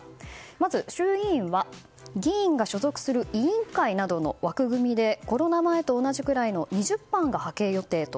まず、衆議院は議員が所属する委員会などの枠組みでコロナ前と同じくらいの２０班が派遣予定と。